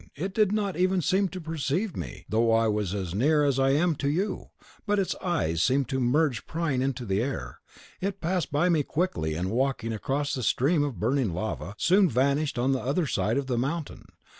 It did not even seem to perceive me, though I was near as I am to you; but its eyes seemed to emerge prying into the air. It passed by me quickly, and, walking across a stream of burning lava, soon vanished on the other side of the mountain.